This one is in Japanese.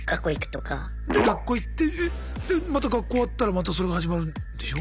で学校行ってえっでまた学校終わったらまたそれが始まるんでしょ？